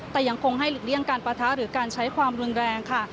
แต่ยังคงให้หลีกเลี่ยงการปะทะหรือการใช้ความรุนแรงค่ะ